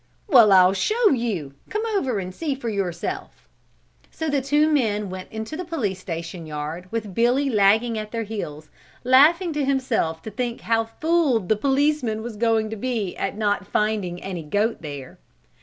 "Well, I'll show you, come over and see for yourself." So the two men went into the police station yard with Billy lagging at their heels, laughing to himself to think how fooled the policeman was going to be at not finding any goat there.